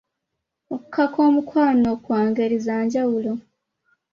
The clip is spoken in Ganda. Okukaka omukwano kwa ngeri za njawulo.